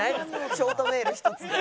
ショートメールひとつで。